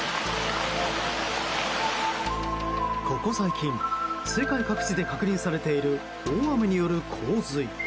ここ最近、世界各地で確認されている大雨による洪水。